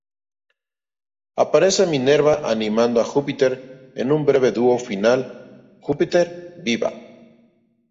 Aparece Minerva animando a Júpiter en un breve dúo final, “¡Júpiter viva!